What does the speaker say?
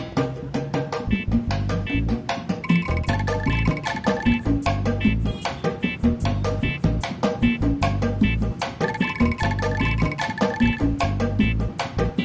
mau suruh perempuan ke lidah